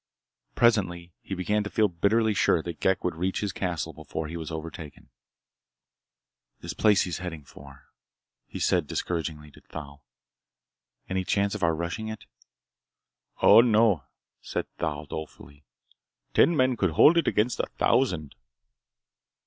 Presently he began to feel bitterly sure that Ghek would reach his castle before he was overtaken. "This place he's heading for," he said discouragedly to Thal. "Any chance of our rushing it?" "Oh, no!" said Thal dolefully. "Ten men could hold it against a thousand!"